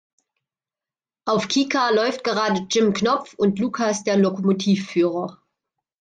Auf Kika läuft gerade Jim Knopf und Lukas der Lokomotivführer.